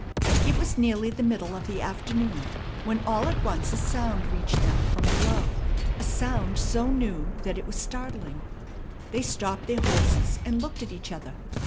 It was nearly the middle of the afternoon when all at once a sound reached them from below, a sound so new that it was startling. They stopped their horses, and looked at each other.